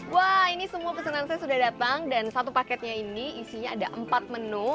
wah ini semua pesanan saya sudah datang dan satu paketnya ini isinya ada empat menu